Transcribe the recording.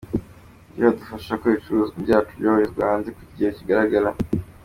Ibyo byadufasha ko ibicuruzwa byacu byoherezwa hanze ku kigero kigaragara.